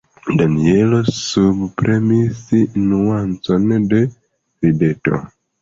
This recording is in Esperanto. Danjelo subpremis nuancon de rideto.